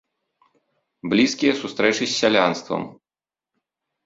Блізкія сустрэчы з сялянствам.